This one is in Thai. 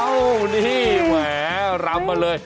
อ้าวนี่แหวะรับมาเลย